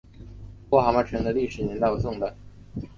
郭蛤蟆城的历史年代为宋代。